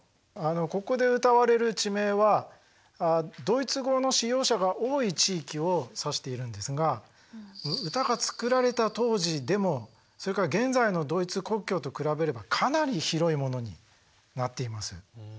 ここで歌われる地名はドイツ語の使用者が多い地域を指しているんですが歌が作られた当時でもそれから現在のドイツ国境と比べればかなり広いものになっています。